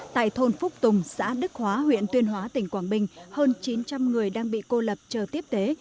tại thôn phúc tùng xã đức hóa huyện tuyên hóa tỉnh quảng bình hơn chín trăm linh người đang bị cô lập chờ tiếp tế